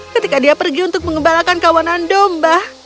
ketika dia pergi untuk mengembalakan kawanan domba